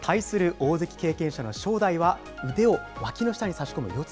大関経験者の正代は、腕をわきの下に差し込む四つ